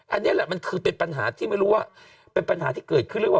อันนี้แหละมันคือเป็นปัญหาที่ไม่รู้ว่าเป็นปัญหาที่เกิดขึ้นหรือเปล่า